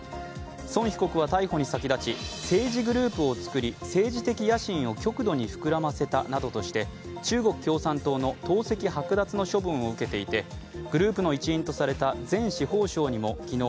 孫被告は逮捕に先立ち、政治グループを作り政治的野心を極度に膨らませたなどとして中国共産党の党籍剥奪の処分を受けていてグループの一員とされた前司法相にも昨日、